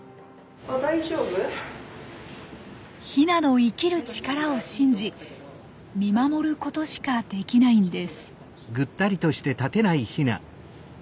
ヒナの生きる力を信じ見守ることしかできないんです。